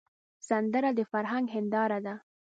سندره د فرهنګ هنداره ده